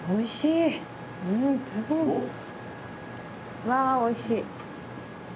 うわおいしい！